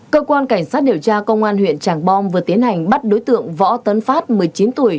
cơ quan cảnh sát điều tra công an huyện tràng bom vừa tiến hành bắt đối tượng võ tấn phát một mươi chín tuổi